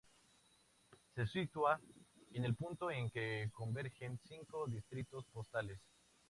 Se sitúa en el punto en que convergen cinco distritos postales.